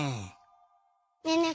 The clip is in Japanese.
ねえねえ